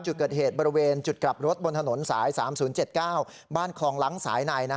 จุดเกิดเหตุบริเวณจุดกลับรถบนถนนสาย๓๐๗๙บ้านคลองล้างสายใน